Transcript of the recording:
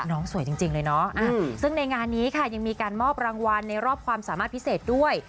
สวยจริงเลยเนาะซึ่งในงานนี้ค่ะยังมีการมอบรางวัลในรอบความสามารถพิเศษด้วย